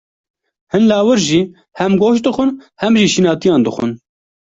Hin lawir jî, hem goşt dixwin, hem jî şînatiyan dixwin.